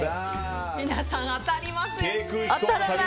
皆さん当たりませんね。